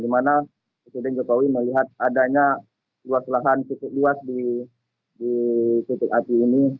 di mana presiden jokowi melihat adanya luas lahan cukup luas di titik api ini